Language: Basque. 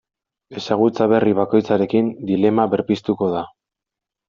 Ezagutza berri bakoitzarekin dilema berpiztuko da.